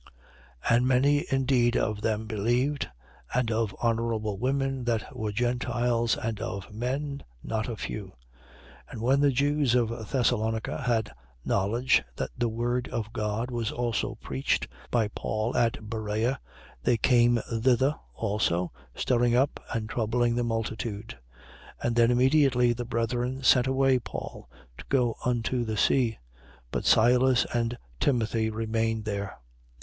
And many indeed of them believed: and of honourable women that were Gentiles and of men, not a few. 17:13. And when the Jews of Thessalonica had knowledge that the word of God was also preached by Paul at Berea, they came thither also, stirring up and troubling the multitude. 17:14. And then immediately the brethren sent away Paul, to go unto the sea: but Silas and Timothy remained there.